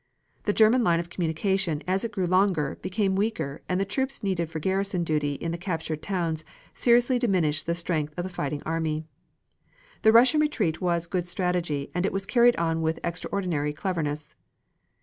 The German line of communication, as it grew longer, became weaker and the troops needed for garrison duty in the captured towns, seriously diminished the strength of the fighting army, The Russian retreat was good strategy and it was carried on with extraordinary cleverness.